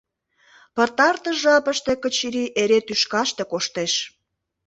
Пытартыш жапыште Качырий эре тӱшкаште коштеш.